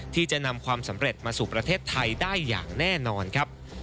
ที่จะนำความสำเร็จมาสู่ประเทศไทยได้อย่างแน่นอนครับ